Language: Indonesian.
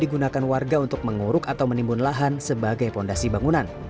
digunakan warga untuk menguruk atau menimbun lahan sebagai fondasi bangunan